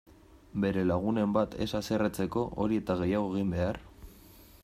Bere lagunen bat ez haserretzeko hori eta gehiago egin behar!